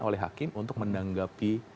oleh hakim untuk menanggapi